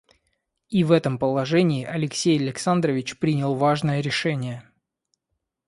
И в этом положении Алексей Александрович принял важное решение.